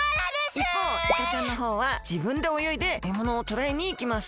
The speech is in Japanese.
いっぽうイカちゃんのほうはじぶんでおよいでえものをとらえにいきます。